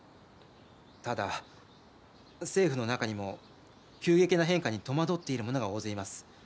ただ政府の中にも急激な変化に戸惑っている者が大勢います。